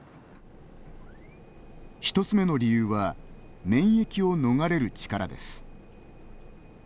１つ目の理由は免疫を逃れる力です。